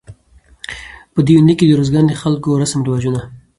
په دې يونليک کې د روزګان د خلکو رسم رواجونه